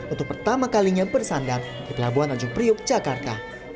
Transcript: untuk pertama kalinya bersandar di pelabuhan tanjung priuk jakarta